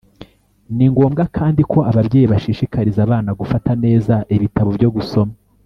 ni ngombwa kandi ko ababyeyi bashishikariza abana gufata neza ibitabo byo gusoma